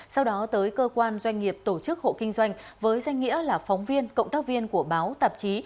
sau đó tới cơ quan doanh nghiệp tổ chức hộ kinh doanh với danh nghĩa là phóng viên cộng tác viên của báo tạp chí